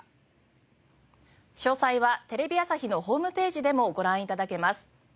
詳細はテレビ朝日のホームページでもご覧頂けます。